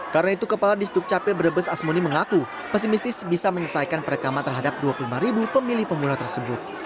karena itu kepala disduk capil brebes asmuni mengaku pesimistis bisa menyelesaikan perekaman terhadap dua puluh lima pemilih pemula tersebut